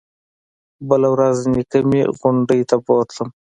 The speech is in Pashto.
بله ورځ نيكه مې غونډۍ ته بوتلم.